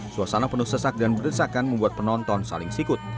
suasana penuh sesak dan berdesakan membuat penonton saling sikut